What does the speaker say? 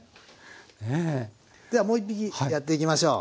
ではもう一匹やっていきましょう。